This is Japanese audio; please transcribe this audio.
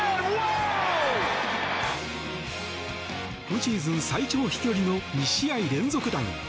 今シーズン最長飛距離の２試合連続弾に。